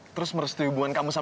peks benteng kepala